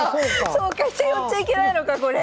そうか飛車寄っちゃいけないのかこれ。